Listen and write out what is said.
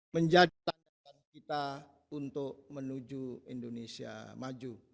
menjadi langkah untuk menuju indonesia maju